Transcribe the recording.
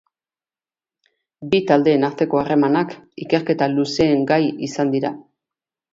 Bi taldeen arteko harremanak ikerketa luzeen gai izan dira.